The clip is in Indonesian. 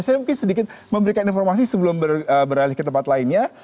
saya mungkin sedikit memberikan informasi sebelum beralih ke tempat lainnya